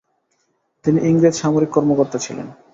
তিনি ইংরেজ সামরিক কর্মকর্তা ছিলেন।